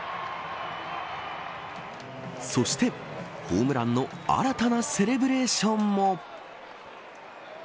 そして、ホームランの新たなセレブレーションも。